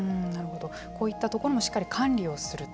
こういったところもしっかり管理をすると。